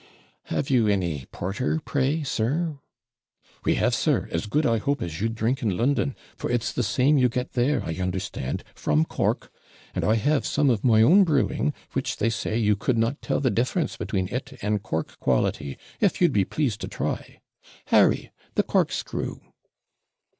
'Have you any porter, pray, sir?' 'We have, sir, as good, I hope, as you'd drink in London, for it's the same you get there, I understand, from Cork. And I have some of my own brewing, which, they say, you could not tell the difference between it and Cork quality if you'd be pleased to try. Harry, the corkscrew.'